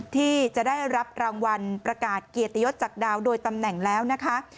ที่จะได้รับรางวัลประกาศเกียรติยศจากดาวโดยตำแหน่งแล้วนะคะ